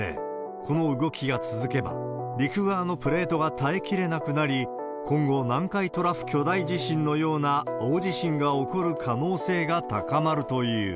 この動きが続けば、陸側のプレートが耐えきれなくなり、今後、南海トラフ巨大地震のような大地震が起こる可能性が高まるという。